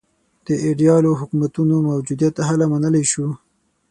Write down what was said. د ایدیالو حکومتونو موجودیت هله منلای شو.